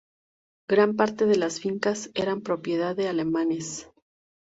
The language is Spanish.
Gran parte de las fincas eran propiedad de alemanes.